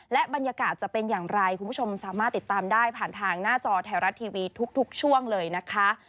และบรรยากาศจะเป็นอย่างไรคุณผู้ชมสามารถติดตามได้ผ่านทางหน้าจอไทยรัฐทีวีทุกช่วงเลยนะคะ